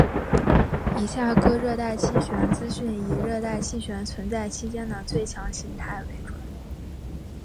以下各热带气旋资讯以热带气旋存在期间的最强形态为准。